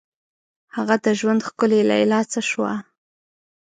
هغه د ژوند ښکلي لیلا څه شوه؟